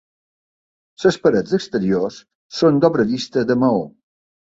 Les parets exteriors són d'obra vista de maó.